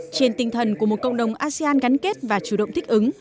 trên tinh thần của một cộng đồng asean gắn kết và chủ động thích ứng